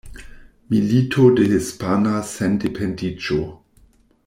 Milito de Hispana Sendependiĝo.